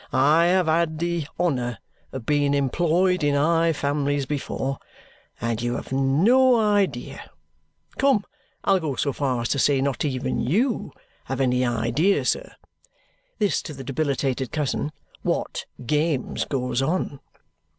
"I have had the honour of being employed in high families before, and you have no idea come, I'll go so far as to say not even YOU have any idea, sir," this to the debilitated cousin, "what games goes on!"